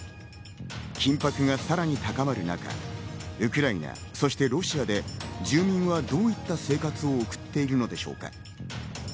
緊迫がさらに高まる中、ウクライナ、そしてロシアで住民はどういった生活を送っているのでしょうか。